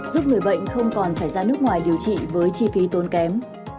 giúp người bệnh không còn phải ra nước ngoài điều trị với chi phí tốn kém